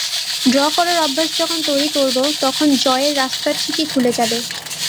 Draw করার অভ্যাস যখন তৈরি করব, তখন জয়ের রাস্তা ঠিকই খুলে যাবে।